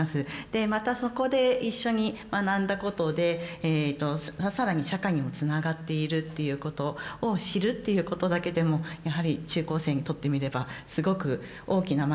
でまたそこで一緒に学んだことで更に社会にもつながっているっていうことを知るっていうことだけでもやはり中高生にとってみればすごく大きな学びにつながるな。